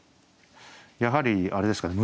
やはりあれですかね